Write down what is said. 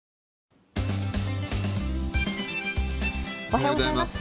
おはようございます。